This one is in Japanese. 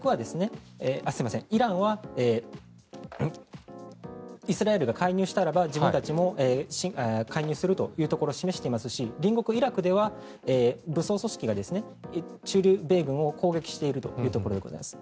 イランはイスラエルが介入したらば自分たちも介入するというところを示していますし隣国イラクでは武装組織が駐留米軍を攻撃しているというところでございます。